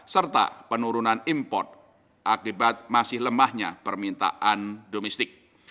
serta penurunan import akibat masih lemahnya permintaan domestik